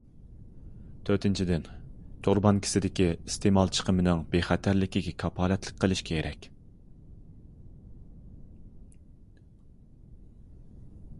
تۆتىنچىدىن، تور بانكىسىدىكى ئىستېمال چىقىمىنىڭ بىخەتەرلىكىگە كاپالەتلىك قىلىش كېرەك.